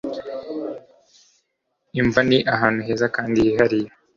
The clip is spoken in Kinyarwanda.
Imva ni ahantu heza kandi hihariye